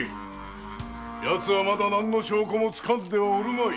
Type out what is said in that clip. やつはまだ何の証拠も掴んではおるまい。